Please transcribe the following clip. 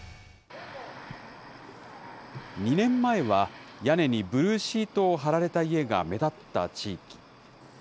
２年前は、屋根にブルーシートを張られた家が目立った地域。